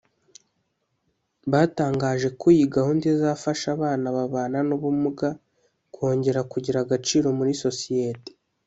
batangaje ko iyi gahunda izafasha abana bababana n’ubumuga kongera kugira agaciro muri sosiyeti